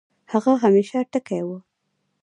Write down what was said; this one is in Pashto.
هغه همېشه ټکے وۀ